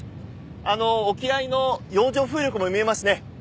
あの沖合の洋上風力も見えますね。